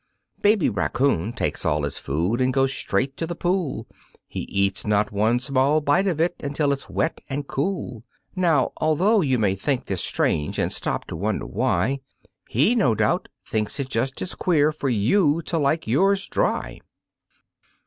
Baby raccoon takes all his food and goes straight to the pool, He eats not one small bite of it until it's wet and cool. Now, although you may think this strange and stop to wonder why, He, no doubt, thinks it just as queer for you to like yours dry.